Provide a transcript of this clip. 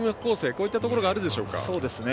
こういったところあるでしょうか。